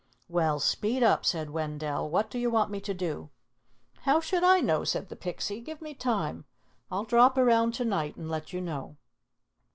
"Well, speed up," said Wendell. "What do you want me to do?" "How should I know?" said the Pixie. "Give me time. I'll drop around to night and let you know."